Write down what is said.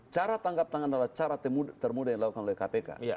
cara tangkap tangan adalah cara termuda yang dilakukan oleh kpk